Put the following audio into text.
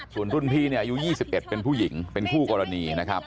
ส่วนรุ่นพี่เนี่ยอายุ๒๑เป็นผู้หญิงเป็นคู่กรณีนะครับ